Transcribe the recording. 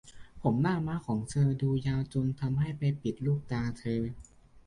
ผมหน้าม้าของเธอดูยาวจนทำให้ไปปิดลูกตาเธอ